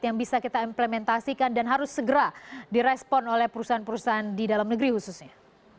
yang bisa kita implementasikan dan harus segera direspon oleh perusahaan perusahaan di dalam negeri khususnya